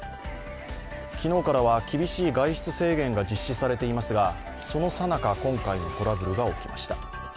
昨日からは厳しい外出制限が実施されていますが、そのさなか、今回のトラブルが起きました。